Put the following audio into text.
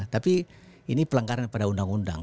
tapi ini pelanggaran pada undang undang